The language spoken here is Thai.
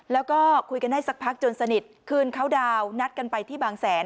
แล้วก็คุยกันได้สักพักจนสนิทคืนเขาดาวน์นัดกันไปที่บางแสน